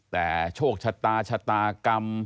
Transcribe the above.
แต่โชคชะตาชะตากรรม